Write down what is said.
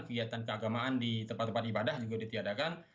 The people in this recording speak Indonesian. kegiatan keagamaan di tempat tempat ibadah juga ditiadakan